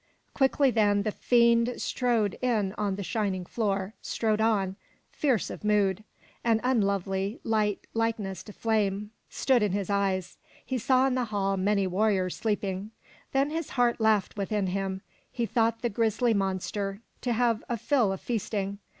Quickly then the fiend trod in on the shining floor, strode on, fierce of mood. An unlovely light, likest to flame, stood in his eyes. He saw in the hall many war riors sleeping. Then his heart laughed within him. He thought, the grisly monster, to have a fill of feasting.